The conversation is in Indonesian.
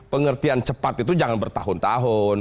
pengertian cepat itu jangan bertahun tahun